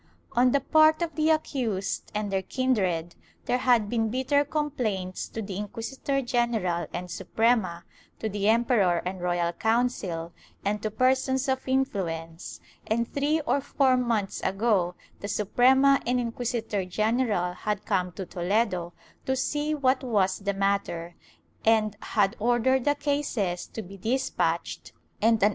On the part of the accused and their kindred there had been bitter complaints to the inquisitor general and Suprema, to the emperor and royal council, and to persons of influence, and three or four months ago the Suprema and inquisitor general had come to Toledo to see what was the matter and had ordered the cases to be despatched and an auto * Archive de Simancas, Inquisicion, Lib.